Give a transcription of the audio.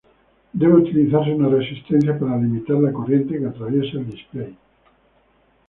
Debe utilizarse una resistencia para limitar la corriente que atraviesa el display.